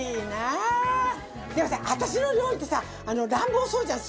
でもさ私の料理ってさ乱暴そうじゃんすごく。